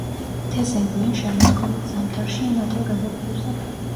თესენ გვიან შემოდგომით, ზამთარში ან ადრე გაზაფხულზე.